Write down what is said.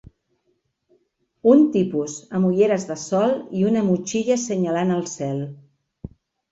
Un tipus amb ulleres de sol i una motxilla senyalant el cel.